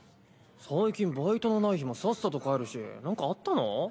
最近バイトのない日もさっさと帰るしなんかあったの？